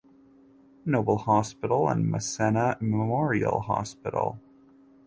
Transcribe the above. Noble Hospital and Massena Memorial Hospital.